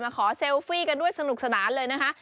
ขอเซลฟี่กันด้วยสนุกสนานเลยนะคะ